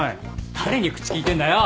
誰に口利いてんだよ。